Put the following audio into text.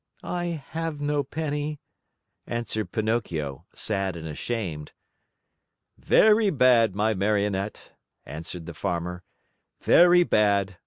"I have no penny," answered Pinocchio, sad and ashamed. "Very bad, my Marionette," answered the Farmer, "very bad.